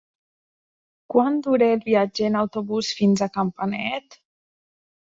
Quant dura el viatge en autobús fins a Campanet?